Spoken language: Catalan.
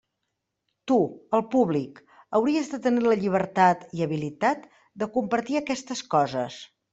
Tu, el públic, hauries de tenir la llibertat i habilitat de compartir aquestes coses.